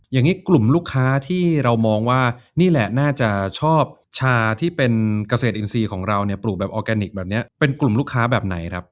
อย่างนี้กลุ่มลูกค้าที่เรามองว่านี่แหละน่าจะชอบชาที่เป็นเกษตรอินทรีย์ของเราเนี่ยปลูกแบบออร์แกนิคแบบนี้เป็นกลุ่มลูกค้าแบบไหนครับ